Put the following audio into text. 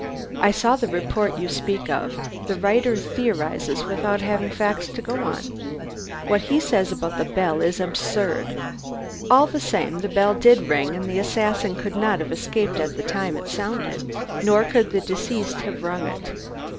I saw the report you speak of. The writer theorizes without having facts to go on. What he says about the bell is absurd. All the same, the bell did ring and the assassin could not have escaped at the time it sounded. Nor could the deceased have rung it.